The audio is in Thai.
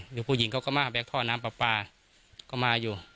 หรือผู้หญิงเค้าก็มาแบกท่อน้ำปลาก็มาอยู่